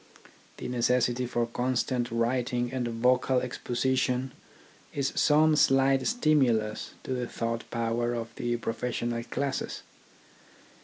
The necessity for TECHNICAL EDUCATION 43 constant writing and vocal exposition is some slight stimulus to the thought power of the pro fessional classes.